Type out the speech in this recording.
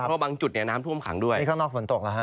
เพราะบางจุดเนี่ยน้ำท่วมขังด้วยนี่ข้างนอกฝนตกแล้วฮ